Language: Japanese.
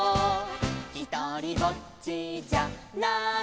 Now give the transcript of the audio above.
「ひとりぼっちじゃないさ」